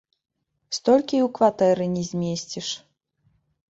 Столькі і ў кватэры не змесціш.